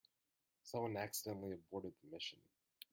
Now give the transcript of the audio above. Someone accidentally aborted the mission.